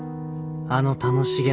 あの楽しげな音」。